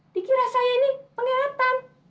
dikira saya ini pengeletan